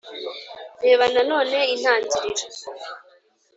Reba nanone intangiriro